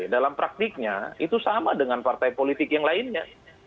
dalam praktiknya itu sama dengan partai politik yang lainnya